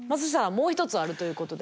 もう一つあるということで。